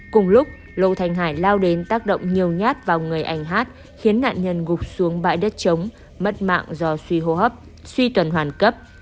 cùng lúc lô thành hải lao đến tác động nhiều nhát vào người anh hát khiến nạn nhân gục xuống bãi đất chống mất mạng do suy hô hấp suy tuần hoàn cấp